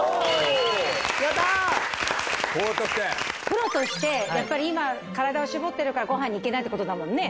プロとしてやっぱり今体を絞ってるからご飯に行けないって事だもんね？